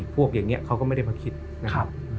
พวกอย่างนี้เขาก็ไม่ได้มาคิดนะครับ